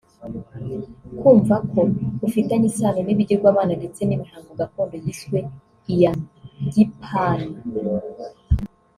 Kumvako ufitanye isano n’ibigirwamana ndetse n’imihango gakondo yiswe iya gipaani